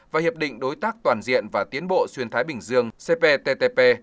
và hiệp định đối tác toàn diện và tiến bộ xuyên thái bình dương cptp